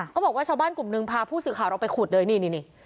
บอกว่าชาวบ้านกลุ่มหนึ่งพาผู้สื่อข่าวเราไปขุดเลยนี่